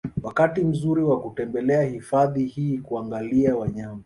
Wakati mzuri wa kutembelea hifadhi hii kuangalia wanyama